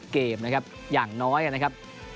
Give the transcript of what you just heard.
เกมนะครับอย่างน้อยนะครับ